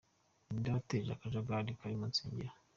Ni nde wateje akajagari kari mu nsengero?.